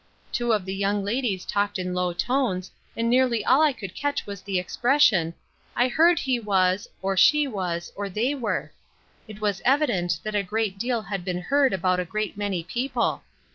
Two of the young ladies talked in low tones, and nearly all I could catch was the expression :' I heard he was,' or ' she was,' or ' they were.' It was evi dent that a great deal had been heard about a great many people.